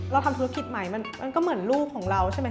เราทำธุรกิจใหม่มันก็เหมือนลูกของเราใช่ไหมค